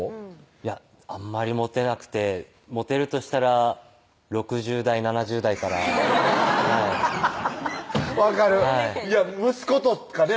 いやあんまりモテなくてモテるとしたら６０代・７０代から分かる息子とかね